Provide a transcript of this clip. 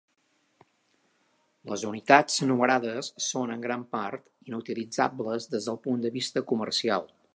Les unitats numerades són en gran part inutilitzables des del punt de vista comercial.